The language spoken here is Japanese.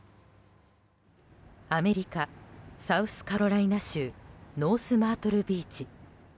アメリカ・サウスカロライナ州ノースマートルビーチ。